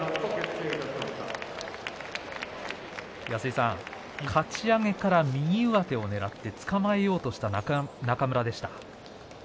安井さん、かち上げから右上手をねらってつかまえようとした中村でした。